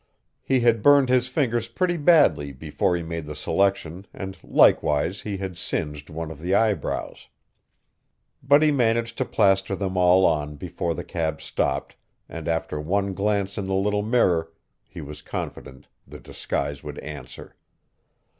He had burned his fingers pretty badly before he made the selection and likewise he had singed one of the eyebrows. But he managed to plaster them all on before the cab stopped and after one glance in the little mirror he was confident the disguise would answer.